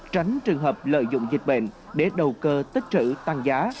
tránh trường hợp lợi dụng dịch bệnh để đầu cơ tích trữ tăng giá